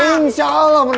insya allah menang